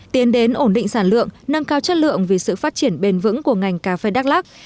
tiến đến ổn định sản lượng nâng cao chất lượng vì sự phát triển bền vững của ngành cà phê đắk lắc